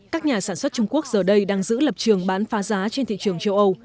các nhà sản xuất trung quốc giờ đây đang giữ lập trường bán phá giá trên thị trường châu âu